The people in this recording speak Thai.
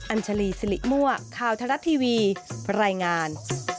อัญชลีสิริมั่วค่าวทรัศน์ทีวีไฟร่งาน